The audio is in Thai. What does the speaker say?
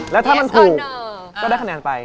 แล้วถ้ามันถูกก็ได้คะแนนไป